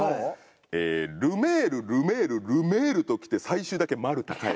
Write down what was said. ルメールルメールルメールときて最終だけ丸田かい。